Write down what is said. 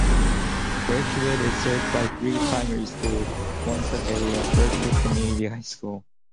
Birchwood is served by three primary schools, one per area, Birchwood Community High School.